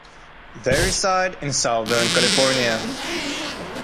They reside in Southern California.